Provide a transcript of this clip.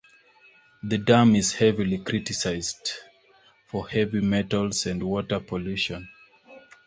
The dam is heavily criticised for heavy metals and water pollution.